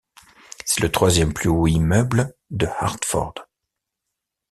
C'est le troisième plus haut immeuble de Hartford.